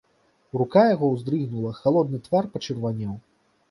Рука яго ўздрыгнула, халодны твар пачырванеў.